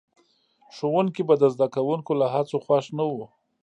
ښوونکي به د زده کوونکو له هڅو خوښ نه وو.